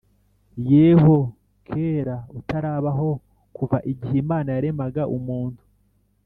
yeho keraa utarabaho kuva igihe Imana yaremaga umuntu